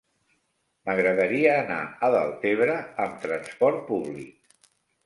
M'agradaria anar a Deltebre amb trasport públic.